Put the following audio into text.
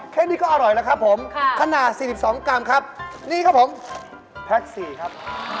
แค่นี้ก็อร่อยแล้วครับผมขนาด๔๒กรัมครับนี่ครับผมแพ็ค๔ครับ